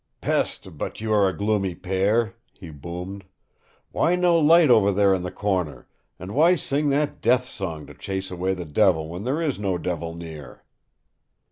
"PESTE, but you are a gloomy pair!" he boomed. "Why no light over there in the corner, and why sing that death song to chase away the devil when there is no devil near?"